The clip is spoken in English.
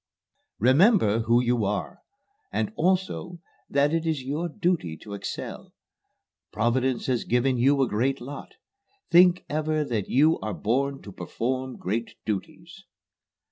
"Remember who you are, and also that it is your duty to excel. Providence has given you a great lot. Think ever that you are born to perform great duties."